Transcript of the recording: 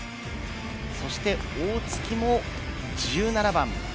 そして大槻も１７番。